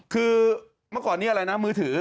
คือเมื่อก่อนนี้อะไรนะมือถือ